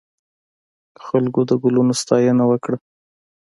خلکو د ګلونو ستاینه وکړه.